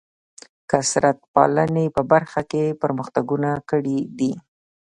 کثرت پالنې په برخه کې پرمختګونه کړي دي.